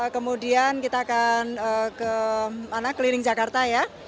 kemudian kita akan keliling jakarta ya